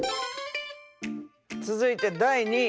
続いて第２位。